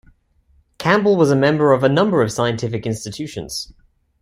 Campbell was a member of a number of scientific institutions.